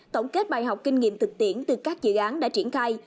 tổng kết bài học kinh nghiệm thực tiễn từ các dự án đã triển khai